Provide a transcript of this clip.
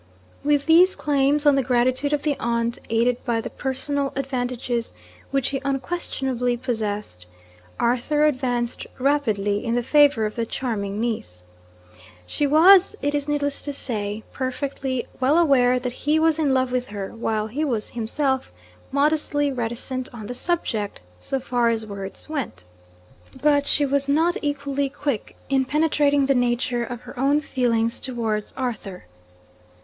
With these claims on the gratitude of the aunt, aided by the personal advantages which he unquestionably possessed, Arthur advanced rapidly in the favour of the charming niece. She was, it is needless to say, perfectly well aware that he was in love with her, while he was himself modestly reticent on the subject so far as words went. But she was not equally quick in penetrating the nature of her own feelings towards Arthur.